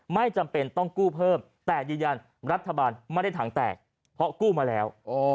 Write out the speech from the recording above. ไม่จำเป็นต้องกู้เพิ่มแต่ยืนยันรัฐบาลไม่ได้ถังแตกเพราะกู้มาแล้ว